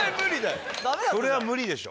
それは無理でしょ。